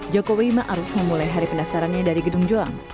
jokowi ma'ruf memulai hari pendaftarannya dari gedung joang